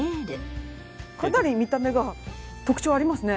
かなり見た目が特徴ありますね。